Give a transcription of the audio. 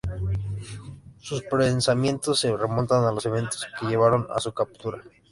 Sus pensamientos se remontan a los eventos que llevaron a su captura.